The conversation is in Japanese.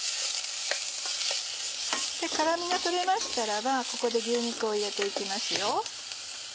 辛みが取れましたらばここで牛肉を入れて行きますよ。